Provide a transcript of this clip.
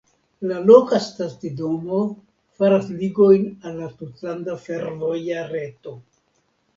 La loka stacidomo faras ligojn al la tutlanda fervoja reto.